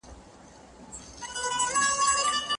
ام المؤمنین حضرت عایشه رضي الله عنها څه روایت کوي؟